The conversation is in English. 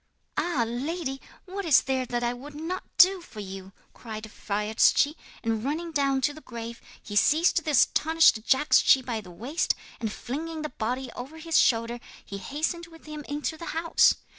'"Ah, lady, what is there that I would not do for you!" cried Firedschi; and running down to the grave, he seized the astonished Jagdschi by the waist, and flinging the body over his shoulder, he hastened with him into the house.